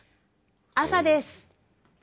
朝です！